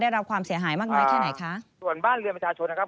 รับความเสียหายมากน้อยแค่ไหนคะส่วนบ้านเรือนประชาชนนะครับ